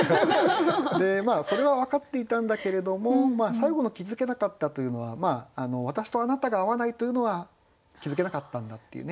それは分かっていたんだけれども最後の「気付けなかった」というのは私とあなたが合わないというのは気付けなかったんだっていうね